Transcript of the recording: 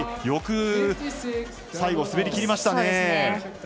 よく最後、滑りきりましたね。